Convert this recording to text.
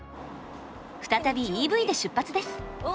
再びＥＶで出発です。